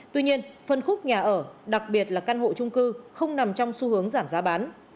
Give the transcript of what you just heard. tuy nhiên phân khúc nhà ở đặc biệt là căn hộ trung cư không nằm trong xu hướng giảm giá bán